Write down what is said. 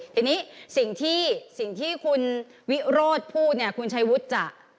ทีนี้สิ่งที่สิ่งที่คุณวิโรธพูดเนี่ยคุณชัยวุฒิจะ